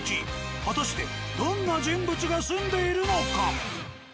果たしてどんな人物が住んでいるのか。